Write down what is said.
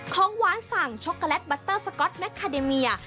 ของหวานสั่งช็อกโกแลตบัตเตอร์สก๊อตแมคาเดเมีย